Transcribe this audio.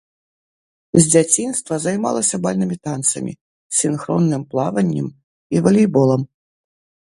З дзяцінства займалася бальнымі танцамі, сінхронным плаваннем і валейболам.